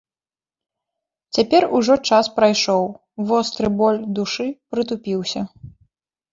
Цяпер ужо час прайшоў, востры боль душы прытупіўся.